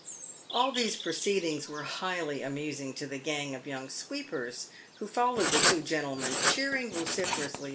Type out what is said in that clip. All these proceedings were highly amusing to the gang of young sweepers who followed the two gentlemen, cheering vociferously i 2 116 paved wrra gold.